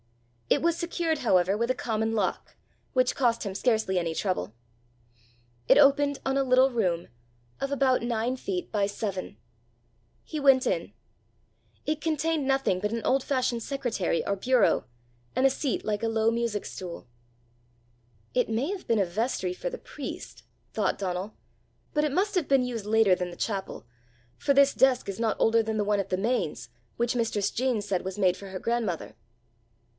It was secured, however, with a common lock, which cost him scarcely any trouble. It opened on a little room, of about nine feet by seven. He went in. It contained nothing but an old fashioned secretary or bureau, and a seat like a low music stool. "It may have been a vestry for the priest!" thought Donal; "but it must have been used later than the chapel, for this desk is not older than the one at The Mains, which mistress Jean said was made for her grandmother!"